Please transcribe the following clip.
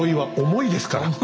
重いですからね。